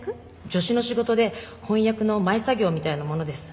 助手の仕事で翻訳の前作業みたいなものです。